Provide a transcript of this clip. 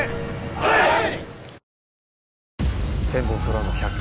はい！